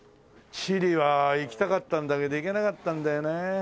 チリは行きたかったんだけど行けなかったんだよね。